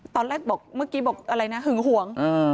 ตอนแรกบอกเมื่อกี้บอกอะไรนะหึงหวง